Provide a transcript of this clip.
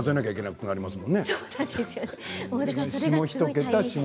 孤独なんですよ。